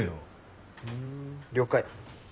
了解。